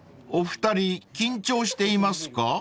お二人緊張していますか？］